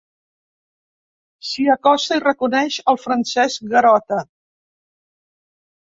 S'hi acosta i reconeix el Francesc Garota.